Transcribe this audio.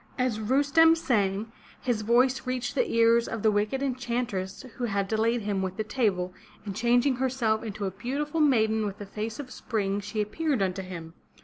As Rustem sang, his voice reached the ears of the wicked enchantress who had delayed him with the table, and changing herself into a beautiful maiden with a face of spring she appeared unto him.